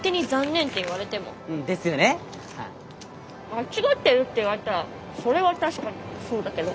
間違ってるって言われたらそれは確かにそうだけど。